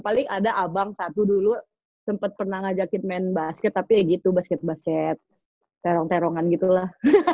paling ada abang satu dulu sempat pernah ngajakin main basket tapi kayak gitu basket basket terong terongan gitu lah